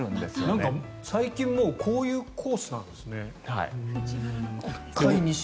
なんか最近もうこういうコースなんですね。